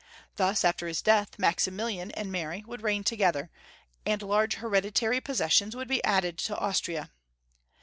Thus, after his death, Maximilian and Mary would reign together, and large hereditary possessions would be added to Austria.